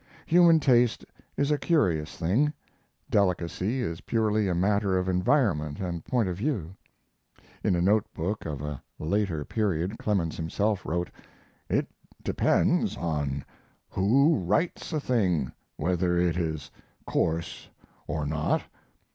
Human taste is a curious thing; delicacy is purely a matter of environment and point of view. [In a note book of a later period Clemens himself wrote: "It depends on who writes a thing whether it is coarse or not.